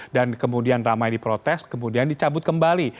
dan kemudian ramai diprotes kemudian dicabut kembali